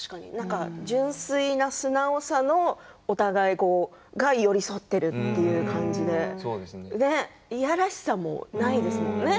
純粋な素直さのお互いが寄り添っているという感じでいやらしさもないですものね。